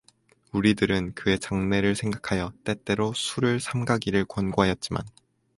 우리들은 그의 장래를 생각하여 때때로 술을 삼가기를 권고하였지만